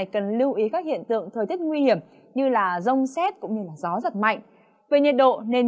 xin chào các bạn